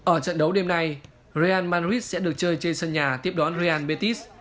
ở trận đấu đêm nay real madrid sẽ được chơi chơi sân nhà tiếp đón real betis